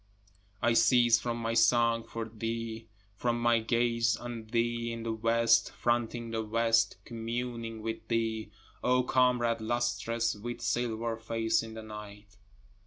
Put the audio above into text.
I cease from my song for thee, From my gaze on thee in the west, fronting the west, communing with thee, O comrade lustrous with silver face in the night.